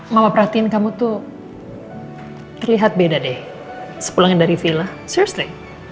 mama perhatiin kamu tuh terlihat beda deh sepulangin dari villa sursley